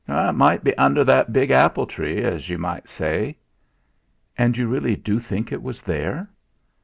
"It might be under that big apple tree, as you might say." "And you really do think it was there?"